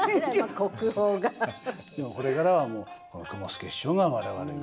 でもこれからはもう雲助師匠が我々にね。